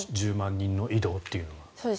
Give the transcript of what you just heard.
１０万人の移動というのは。